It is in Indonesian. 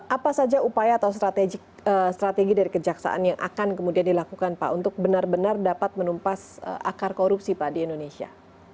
apa saja upaya atau strategi dari kejaksaan yang akan kemudian dilakukan pak untuk benar benar dapat menumpas akar korupsi pak di indonesia